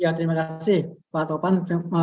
ya terima kasih pak topan